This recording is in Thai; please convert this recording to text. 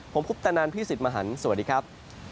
ผมคุปตะนันพี่สิทธิ์มหันฯสวัสดีครับ